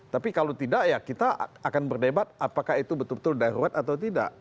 tapi kalau tidak ya kita akan berdebat apakah itu betul betul darurat atau tidak